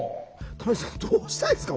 玉木さんどうしたらいいですか？